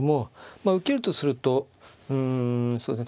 まあ受けるとするとうんそうですね